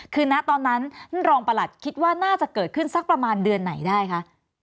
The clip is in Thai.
คือณตอนนั้นท่านรองประหลัดคิดว่าน่าจะเกิดขึ้นสักประมาณเดือนไหนได้คะ